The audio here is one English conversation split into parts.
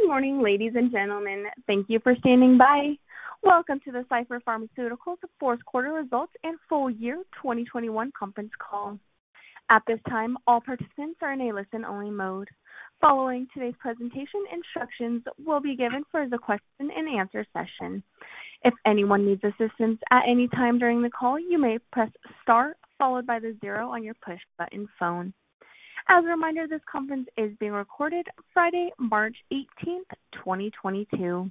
Good morning, ladies and gentlemen. Thank you for standing by. Welcome to the Cipher Pharmaceuticals Fourth Quarter Results and Full Year 2021 Conference Call. At this time, all participants are in a listen-only mode. Following today's presentation, instructions will be given for the question and answer session. If anyone needs assistance at any time during the call, you may press star followed by the zero on your push button phone. As a reminder, this conference is being recorded Friday, March 18th, 2022.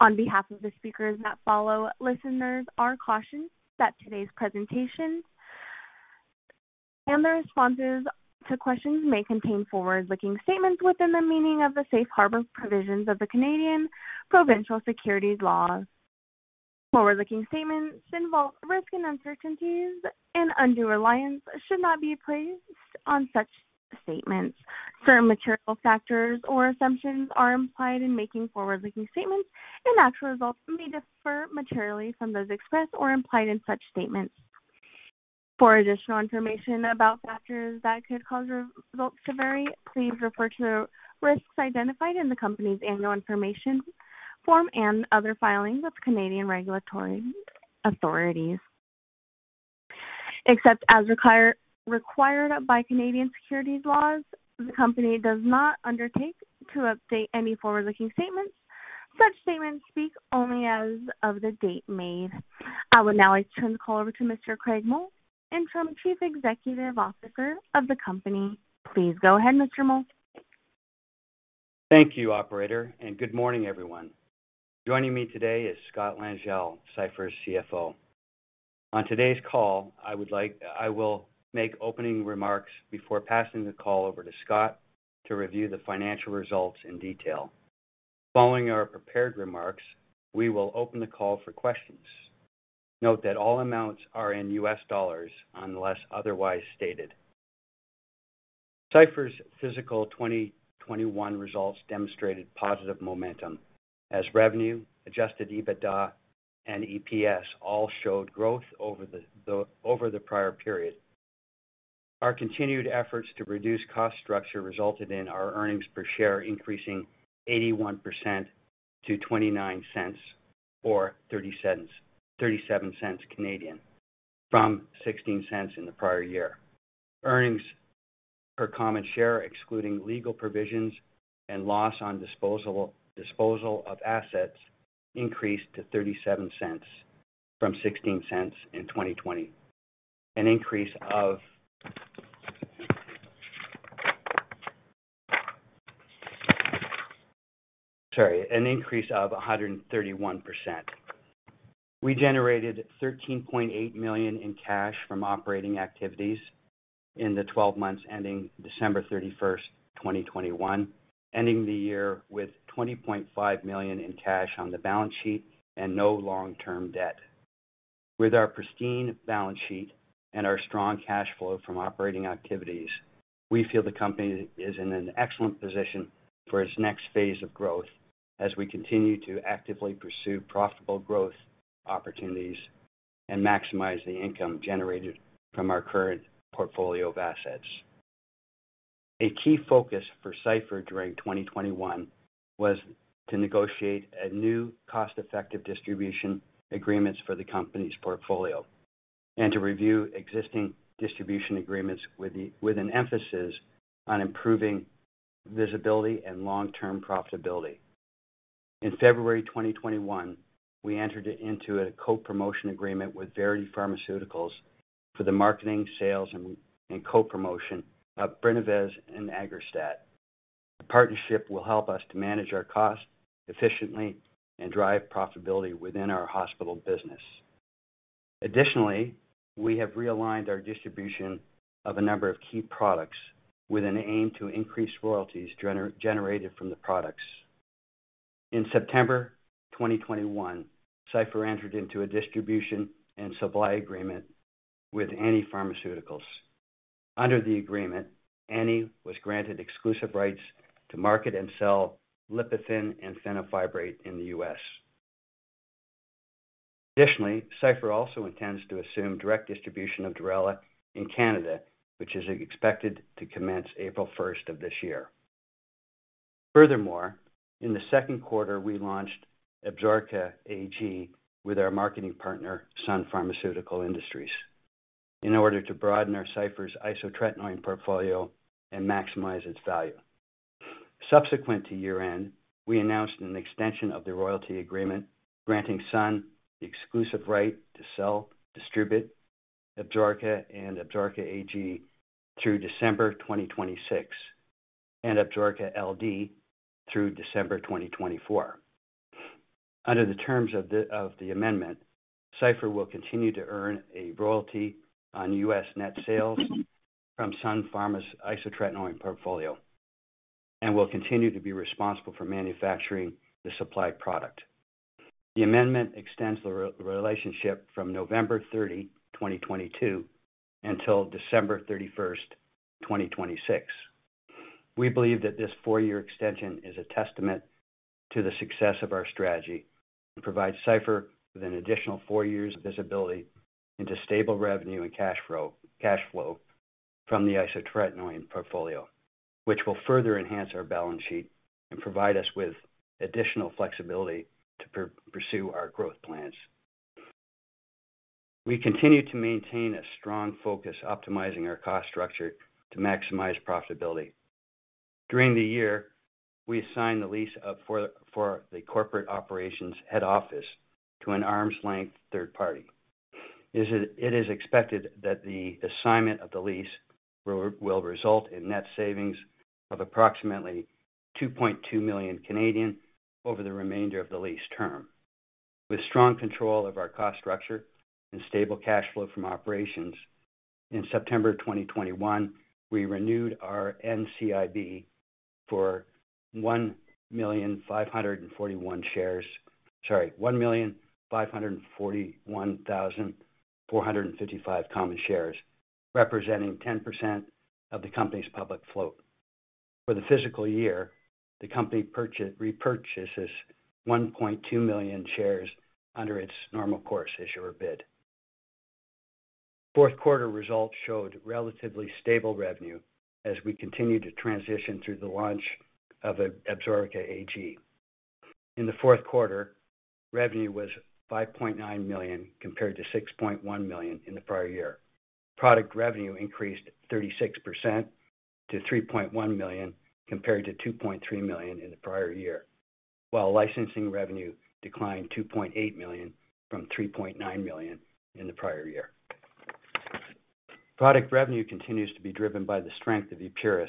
On behalf of the speakers that follow, listeners are cautioned that today's presentation and the responses to questions may contain forward-looking statements within the meaning of the safe harbor provisions of the Canadian provincial securities laws. Forward-looking statements involve risks and uncertainties, and undue reliance should not be placed on such statements. Certain material factors or assumptions are implied in making forward-looking statements, and actual results may differ materially from those expressed or implied in such statements. For additional information about factors that could cause results to vary, please refer to risks identified in the company's annual information form and other filings with Canadian regulatory authorities. Except as required by Canadian securities laws, the company does not undertake to update any forward-looking statements. Such statements speak only as of the date made. I will now turn the call over to Mr. Craig Mull, Interim Chief Executive Officer of the company. Please go ahead, Mr. Mull. Thank you, operator, and good morning, everyone. Joining me today is Scott Langille, Cipher's CFO. On today's call, I will make opening remarks before passing the call over to Scott to review the financial results in detail. Following our prepared remarks, we will open the call for questions. Note that all amounts are in U.S. dollars unless otherwise stated. Cipher's fiscal 2021 results demonstrated positive momentum as revenue, adjusted EBITDA and EPS all showed growth over the prior period. Our continued efforts to reduce cost structure resulted in our earnings per share increasing 81% to $0.29 or 0.37 from $0.16 in the prior year. Earnings per common share, excluding legal provisions and loss on disposal of assets increased to $0.37 from $0.16 in 2020, an increase of. Sorry, an increase of 131%. We generated $13.8 million in cash from operating activities in the twelve months ending December 31st, 2021, ending the year with $20.5 million in cash on the balance sheet and no long-term debt. With our pristine balance sheet and our strong cash flow from operating activities, we feel the company is in an excellent position for its next phase of growth as we continue to actively pursue profitable growth opportunities and maximize the income generated from our current portfolio of assets. A key focus for Cipher during 2021 was to negotiate a new cost-effective distribution agreements for the company's portfolio and to review existing distribution agreements with an emphasis on improving visibility and long-term profitability. In February 2021, we entered into a co-promotion agreement with Verity Pharmaceuticals Inc for the marketing, sales and co-promotion of BRINAVESS and AGGRASTAT. The partnership will help us to manage our cost efficiently and drive profitability within our hospital business. Additionally, we have realigned our distribution of a number of key products with an aim to increase royalties generated from the products. In September 2021, Cipher entered into a distribution and supply agreement with Amneal Pharmaceuticals. Under the agreement, Amneal was granted exclusive rights to market and sell LIPOFEN and fenofibrate in the U.S.. Additionally, Cipher also intends to assume direct distribution of DURELA in Canada, which is expected to commence April 1st of this year. Furthermore, in the second quarter, we launched Absorica AG with our marketing partner, Sun Pharmaceutical Industries, in order to broaden our Cipher's isotretinoin portfolio and maximize its value. Subsequent to year-end, we announced an extension of the royalty agreement granting Sun the exclusive right to sell, distribute Absorica and Absorica AG through December 2026 and Absorica LD through December 2024. Under the terms of the amendment, Cipher will continue to earn a royalty on U.S. net sales from Sun Pharma's isotretinoin portfolio and will continue to be responsible for manufacturing the supplied product. The amendment extends the relationship from November 30, 2022 until December 31st, 2026. We believe that this four-year extension is a testament to the success of our strategy and provides Cipher with an additional four years of visibility into stable revenue and cash flow from the isotretinoin portfolio, which will further enhance our balance sheet and provide us with additional flexibility to pursue our growth plans. We continue to maintain a strong focus optimizing our cost structure to maximize profitability. During the year, we assigned the lease for the corporate operations head office to an arm's-length third party. It is expected that the assignment of the lease will result in net savings of approximately 2.2 million over the remainder of the lease term. With strong control of our cost structure and stable cash flow from operations, in September 2021, we renewed our NCIB for 1,541,455 common shares, representing 10% of the company's public float. For the fiscal year, the company repurchases 1.2 million shares under its normal course issuer bid. Fourth quarter results showed relatively stable revenue as we continue to transition through the launch of Absorica AG. In the fourth quarter, revenue was $5.9 million compared to $6.1 million in the prior year. Product revenue increased 36% to $3.1 million compared to $2.3 million in the prior year, while licensing revenue declined $2.8 million from $3.9 million in the prior year. Product revenue continues to be driven by the strength of Epuris,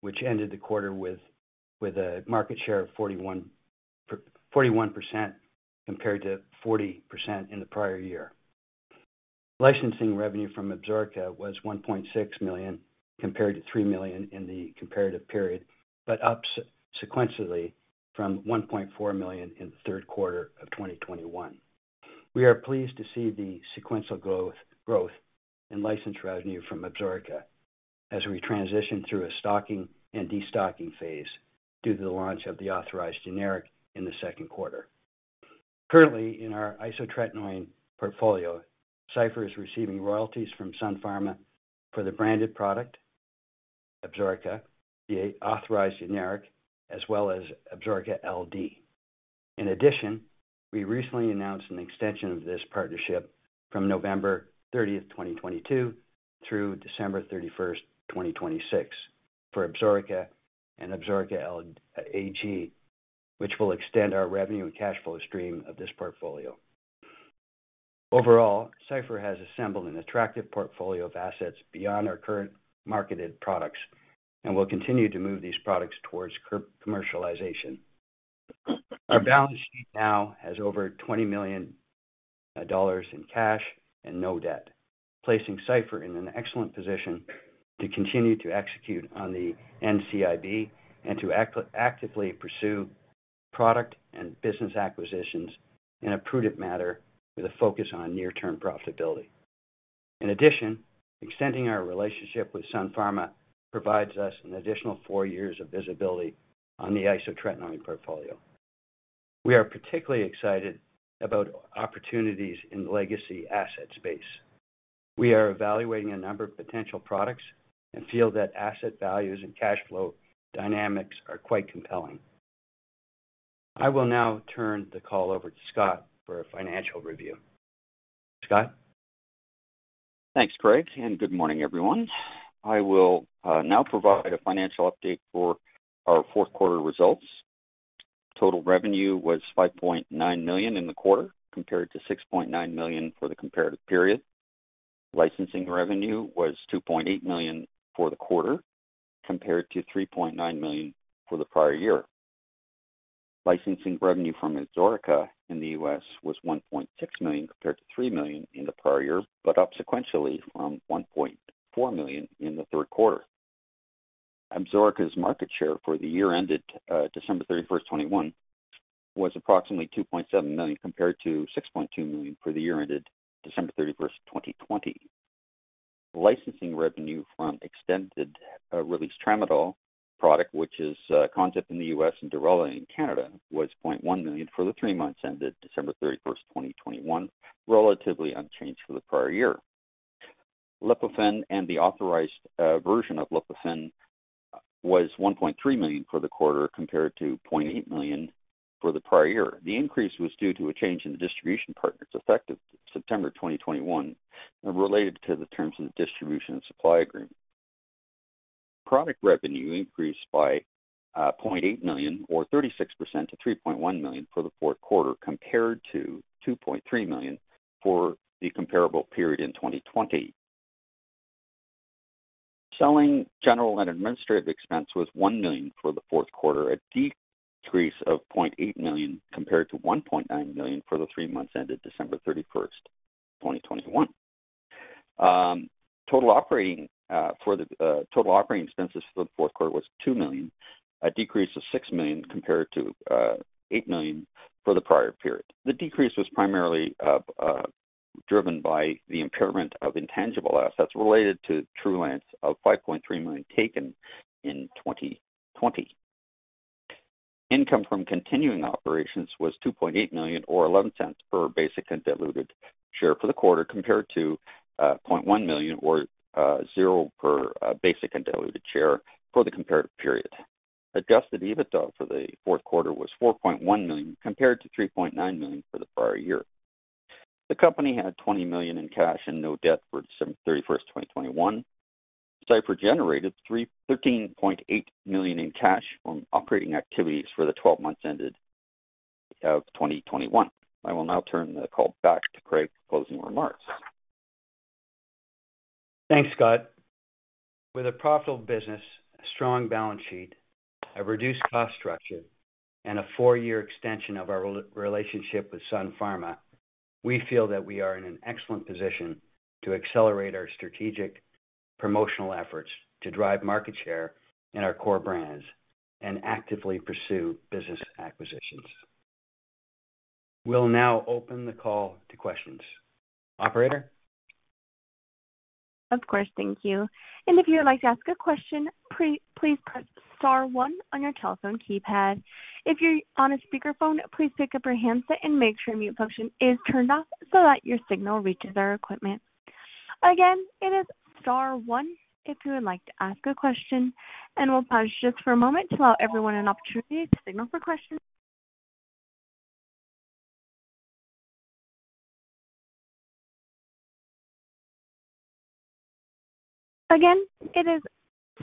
which ended the quarter with a market share of 41% compared to 40% in the prior year. Licensing revenue from Absorica was $1.6 million compared to $3 million in the comparative period, but up sequentially from $1.4 million in the third quarter of 2021. We are pleased to see the sequential growth in license revenue from Absorica as we transition through a stocking and destocking phase due to the launch of the authorized generic in the second quarter. Currently, in our isotretinoin portfolio, Cipher is receiving royalties from Sun Pharma for the branded product, Absorica, the authorized generic, as well as Absorica LD. In addition, we recently announced an extension of this partnership from November 30th, 2022 through December 31st, 2026 for Absorica and Absorica AG, which will extend our revenue and cash flow stream of this portfolio. Overall, Cipher has assembled an attractive portfolio of assets beyond our current marketed products and will continue to move these products towards commercialization. Our balance sheet now has over $20 million in cash and no debt, placing Cipher in an excellent position to continue to execute on the NCIB and to actively pursue product and business acquisitions in a prudent manner with a focus on near-term profitability. In addition, extending our relationship with Sun Pharma provides us an additional four years of visibility on the isotretinoin portfolio. We are particularly excited about opportunities in the legacy asset space. We are evaluating a number of potential products and feel that asset values and cash flow dynamics are quite compelling. I will now turn the call over to Scott for a financial review. Scott? Thanks, Craig, and good morning, everyone. I will now provide a financial update for our fourth quarter results. Total revenue was $5.9 million in the quarter, compared to $6.9 million for the comparative period. Licensing revenue was $2.8 million for the quarter, compared to $3.9 million for the prior year. Licensing revenue from Absorica in the U.S. was $1.6 million compared to $3 million in the prior year, but up sequentially from $1.4 million in the third quarter. Absorica's market share for the year ended December 31st, 2021 was approximately 2.7 million compared to 6.2 million for the year ended December 31, 2020. Licensing revenue from extended release tramadol product, which is ConZip in the U.S. and DURELA in Canada, was $0.1 million for the three months ended December 31st, 2021, relatively unchanged for the prior year. LIPOFEN and the authorized version of LIPOFEN was $1.3 million for the quarter compared to $0.8 million for the prior year. The increase was due to a change in the distribution partners effective September 2021 and related to the terms of the distribution and supply agreement. Product revenue increased by $0.8 million or 36% to $3.1 million for the fourth quarter compared to $2.3 million for the comparable period in 2020. Selling, general, and administrative expense was $1 million for the fourth quarter, a decrease of $0.8 million compared to $1.9 million for the three months ended December 31st, 2021. Total operating expenses for the fourth quarter was 2 million, a decrease of 6 million compared to $8 million for the prior period. The decrease was primarily driven by the impairment of intangible assets related to TRULANCE of $5.3 million taken in 2020. Income from continuing operations was $2.8 million or $0.11 per basic and diluted share for the quarter compared to $0.1 million or 0 per basic and diluted share for the comparative period. Adjusted EBITDA for the fourth quarter was $4.1 million compared to $3.9 million for the prior year. The company had $20 million in cash and no debt for September 31st, 2021. Cipher generated $13.8 million in cash from operating activities for the twelve months ended of 2021. I will now turn the call back to Craig for closing remarks. Thanks, Scott. With a profitable business, a strong balance sheet, a reduced cost structure, and a four-year extension of our relationship with Sun Pharma, we feel that we are in an excellent position to accelerate our strategic promotional efforts to drive market share in our core brands and actively pursue business acquisitions. We'll now open the call to questions. Operator? Of course. Thank you. If you would like to ask a question, please press star one on your telephone keypad. If you're on a speakerphone, please pick up your handset and make sure mute function is turned off so that your signal reaches our equipment. Again, it is star one if you would like to ask a question, and we'll pause just for a moment to allow everyone an opportunity to signal for questions. Again, it is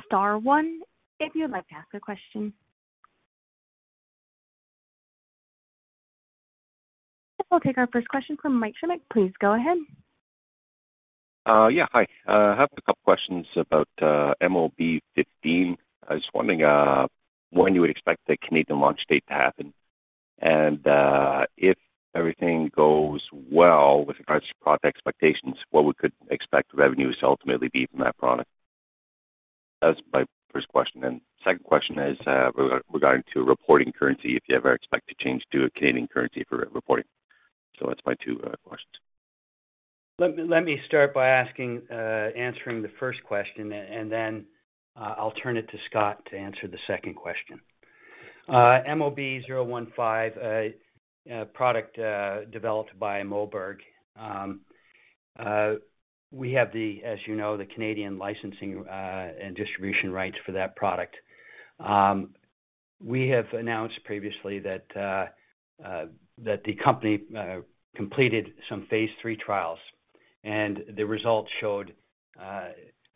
star one if you would like to ask a question. We'll take our first question from Mike Shimmick. Please go ahead. Yeah, hi. I have a couple questions about MOB-015. I was wondering when you would expect the Canadian launch date to happen. If everything goes well with regards to product expectations, what we could expect revenues to ultimately be from that product? That's my first question, and second question is regarding to reporting currency, if you ever expect to change to a Canadian currency for reporting. That's my two questions. Let me start by answering the first question and then I'll turn it to Scott to answer the second question. MOB-015, a product developed by Moberg. We have, as you know, the Canadian licensing and distribution rights for that product. We have announced previously that the company completed some phase 3 trials, and the results showed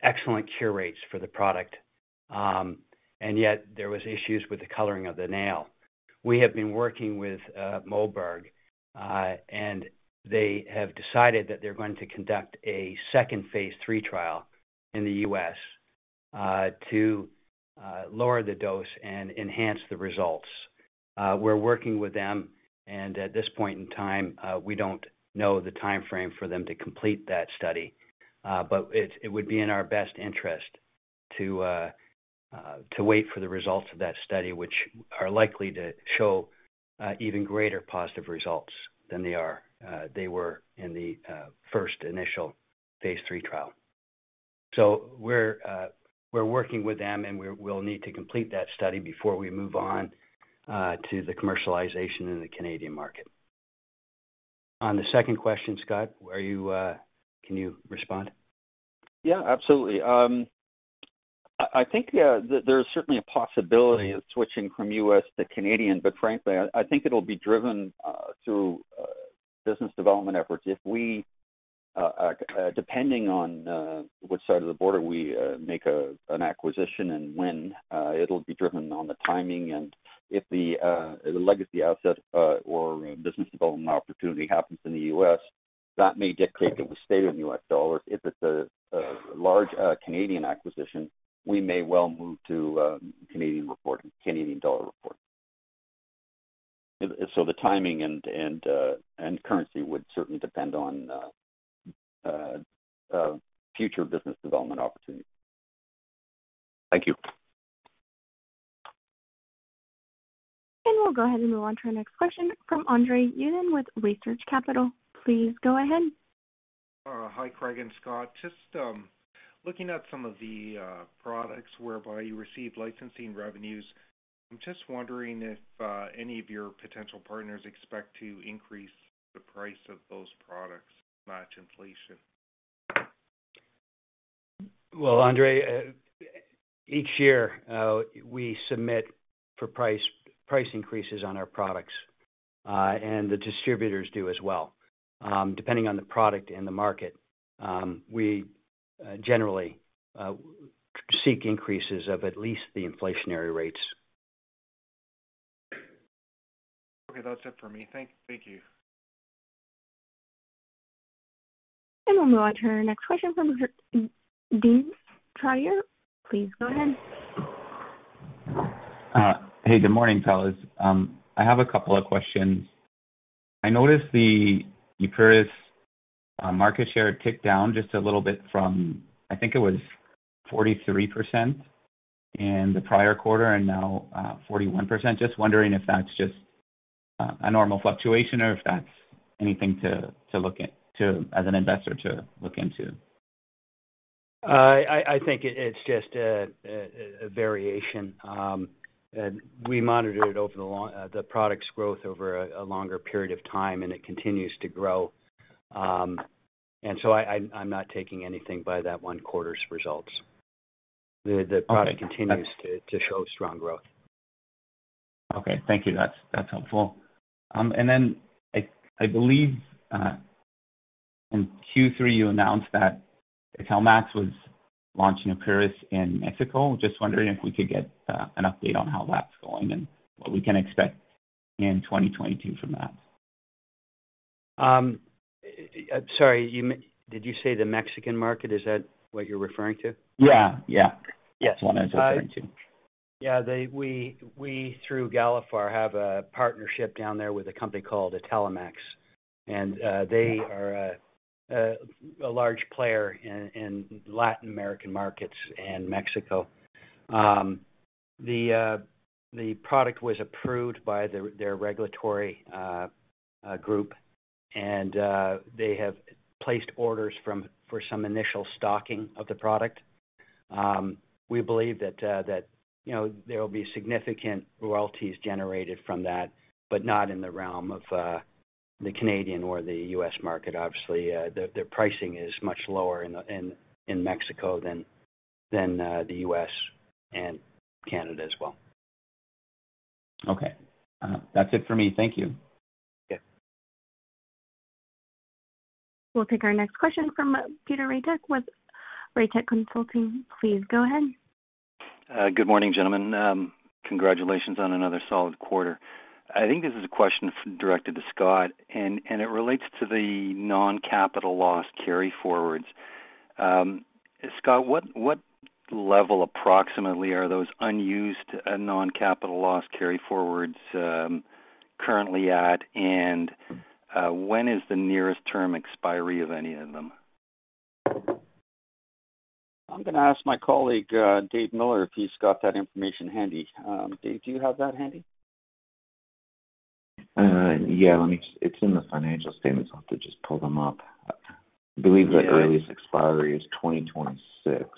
excellent cure rates for the product. Yet there was issues with the coloring of the nail. We have been working with Moberg, and they have decided that they're going to conduct a second phase III trial in the U.S. to lower the dose and enhance the results. We're working with them and at this point in time, we don't know the timeframe for them to complete that study. It would be in our best interest to wait for the results of that study, which are likely to show even greater positive results than they were in the first initial phase III trial. We're working with them, and we'll need to complete that study before we move on to the commercialization in the Canadian market. On the second question, Scott, can you respond? Yeah, absolutely. I think there's certainly a possibility of switching from U.S. to Canadian, but frankly, I think it'll be driven through business development efforts. If depending on which side of the border we make an acquisition and when, it'll be driven on the timing and if the legacy asset or business development opportunity happens in the U.S., that may dictate that we stay with U.S. dollars. If it's a large Canadian acquisition, we may well move to Canadian reporting, Canadian dollar reporting. So the timing and currency would certainly depend on future business development opportunities. Thank you. We'll go ahead and move on to our next question from Andre Uddin with Research Capital. Please go ahead. Hi, Craig and Scott. Just looking at some of the products whereby you receive licensing revenues, I'm just wondering if any of your potential partners expect to increase the price of those products to match inflation. Well, Andre, each year, we submit for price increases on our products, and the distributors do as well. Depending on the product and the market, we generally seek increases of at least the inflationary rates. Okay. That's it for me. Thank you. We'll move on to our next question from Dean Trier. Please go ahead. Hey, good morning, fellas. I have a couple of questions. I noticed the Epuris market share ticked down just a little bit from, I think it was 43% in the prior quarter and now, 41%. Just wondering if that's just a normal fluctuation or if that's anything to look at as an investor to look into. I think it's just a variation. We monitor the product's growth over a longer period of time, and it continues to grow. I'm not taking anything by that one quarter's results. The product Okay. Continues to show strong growth. Okay. Thank you. That's helpful. I believe in Q3 you announced that Italmex was launching Epuris in Mexico. Just wondering if we could get an update on how that's going and what we can expect in 2022 from that. Sorry, did you say the Mexican market? Is that what you're referring to? Yeah. Yes. That's what I was referring to. We, through Galephar, have a partnership down there with a company called Italmex. They are a large player in Latin American markets and Mexico. The product was approved by their regulatory group, and they have placed orders for some initial stocking of the product. We believe that, you know, there will be significant royalties generated from that, but not in the realm of the Canadian or the U.S. market. Obviously, their pricing is much lower in Mexico than the U.S. and Canada as well. Okay. That's it for me. Thank you. Okay. We'll take our next question from Peter Raytec with Raytec Consulting. Please go ahead. Good morning, gentlemen. Congratulations on another solid quarter. I think this is a question directed to Scott, and it relates to the non-capital loss carryforwards. Scott, what level approximately are those unused and non-capital loss carryforwards currently at? And when is the nearest term expiry of any of them? I'm gonna ask my colleague, David Miller, if he's got that information handy. Dave, do you have that handy? Yeah. It's in the financial statements. I'll have to just pull them up. I believe the earliest expiry is 2026.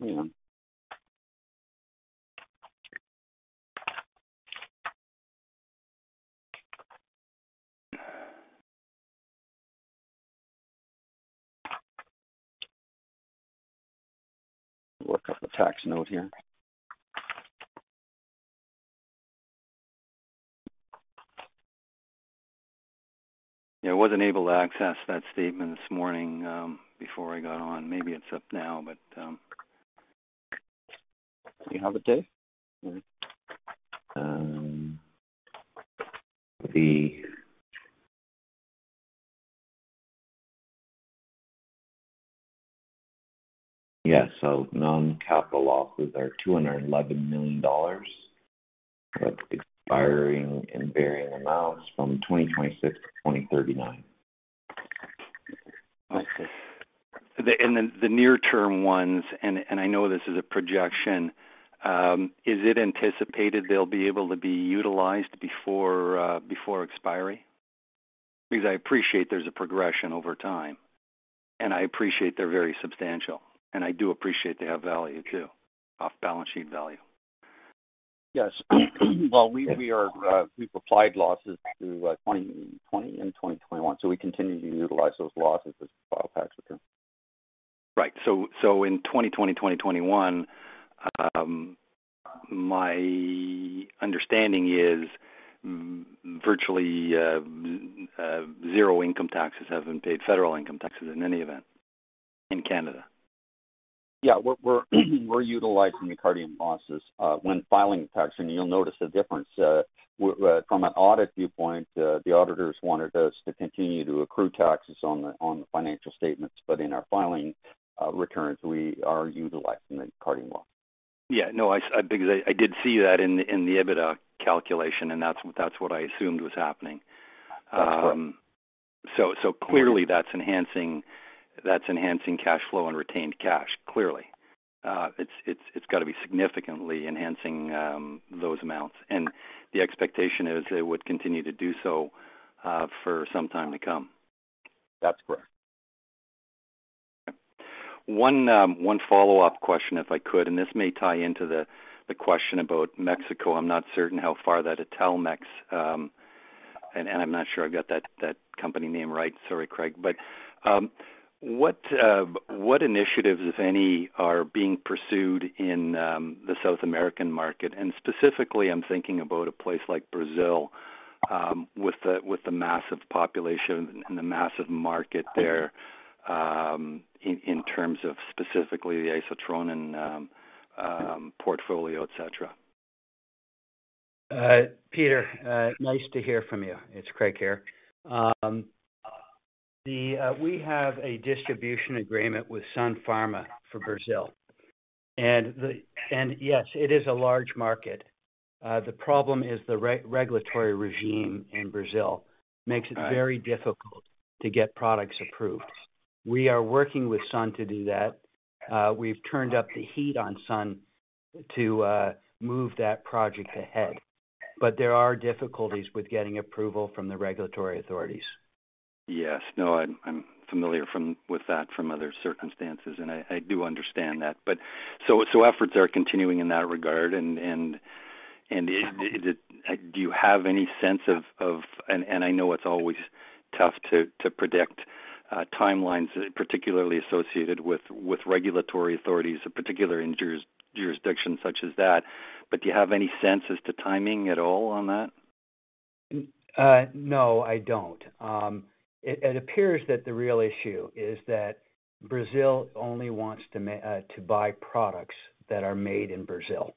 Hang on. Look up the tax note here. Yeah. I wasn't able to access that statement this morning, before I got on. Maybe it's up now. Do you have it, Dave? Non-capital losses are $211 million, but expiring and varying amounts from 2026 to 2039. Okay. Then the near term ones, and I know this is a projection, is it anticipated they'll be able to be utilized before expiry? Because I appreciate there's a progression over time, and I appreciate they're very substantial, and I do appreciate they have value too, off-balance sheet value. Yes. Well, we've applied losses through 2020 and 2021, so we continue to utilize those losses as we file tax returns. Right. In 2020, 2021, my understanding is virtually zero income taxes have been paid, federal income taxes in any event in Canada. Yeah. We're utilizing the Cardium losses when filing taxes, and you'll notice a difference. From an audit viewpoint, the auditors wanted us to continue to accrue taxes on the financial statements. In our filing returns, we are utilizing the Cardium loss. Yeah. No. Because I did see that in the EBITDA calculation, and that's what I assumed was happening. That's correct. Clearly that's enhancing cash flow and retained cash, clearly. It's got to be significantly enhancing those amounts. The expectation is it would continue to do so for some time to come. That's correct. One follow-up question, if I could, and this may tie into the question about Mexico. I'm not certain how far that Italmex, and I'm not sure I've got that company name right. Sorry, Craig. What initiatives, if any, are being pursued in the South American market? Specifically I'm thinking about a place like Brazil with the massive population and the massive market there in terms of specifically the isotretinoin portfolio, et cetera. Peter, nice to hear from you. It's Craig here. We have a distribution agreement with Sun Pharma for Brazil. Yes, it is a large market. The problem is the regulatory regime in Brazil makes it very difficult to get products approved. We are working with Sun to do that. We've turned up the heat on Sun to move that project ahead. There are difficulties with getting approval from the regulatory authorities. Yes. No, I'm familiar with that from other circumstances, and I do understand that. So efforts are continuing in that regard, and do you have any sense of? I know it's always tough to predict timelines, particularly associated with regulatory authorities, particularly in jurisdictions such as that. Do you have any sense as to timing at all on that? No, I don't. It appears that the real issue is that Brazil only wants to buy products that are made in Brazil.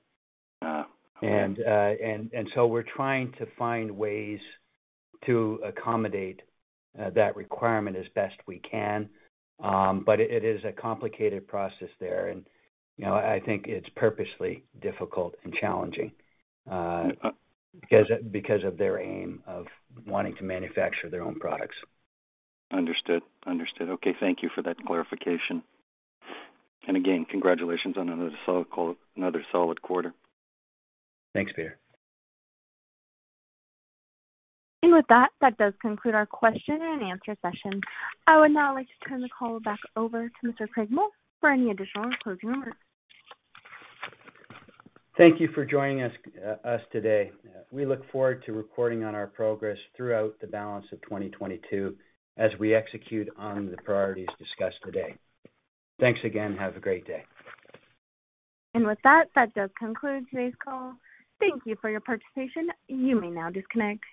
Ah. We're trying to find ways to accommodate that requirement as best we can. It is a complicated process there. You know, I think it's purposely difficult and challenging because of their aim of wanting to manufacture their own products. Understood. Okay, thank you for that clarification. Again, congratulations on another solid quarter. Thanks, Peter. With that does conclude our question and answer session. I would now like to turn the call back over to Mr. Craig Mull for any additional closing remarks. Thank you for joining us today. We look forward to reporting on our progress throughout the balance of 2022 as we execute on the priorities discussed today. Thanks again. Have a great day. With that does conclude today's call. Thank you for your participation. You may now disconnect.